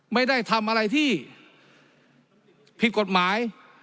ไม่ได้ทำอะไรที่ผิดกฎหมาย